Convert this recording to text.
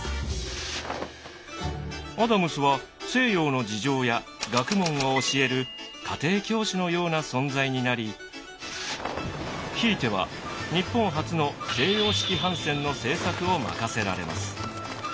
アダムスは西洋の事情や学問を教える家庭教師のような存在になりひいては日本初の西洋式帆船の製作を任せられます。